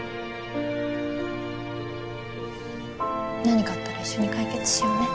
何かあったら一緒に解決しようね。